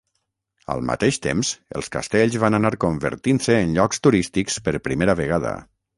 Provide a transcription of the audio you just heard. Al mateix temps els castells van anar convertint-se en llocs turístics per primera vegada.